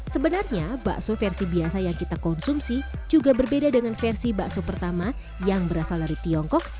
sebenarnya bakso versi biasa yang kita konsumsi juga berbeda dengan versi bakso pertama yang berasal dari tiongkok